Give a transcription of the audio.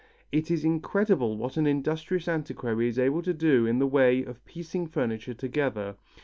It is incredible what an industrious antiquary is able to do in the way of piecing furniture together.